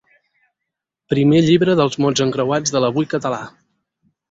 Primer llibre dels mots encreuats de l'Avui Català.